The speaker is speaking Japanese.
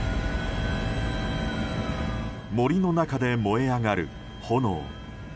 森の中で燃え上がる炎。